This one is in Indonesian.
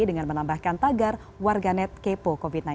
dengan menambahkan tagar warganet kepo covid sembilan belas